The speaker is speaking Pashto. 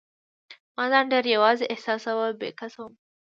ما ځان ډېر یوازي احساساوه، بې کسه وم.